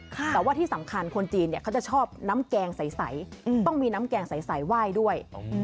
แต่ว่าที่สำคัญคนจีนเขาจะชอบน้ำแกงใสต้องมีน้ำแกงใสไหว้ด้วย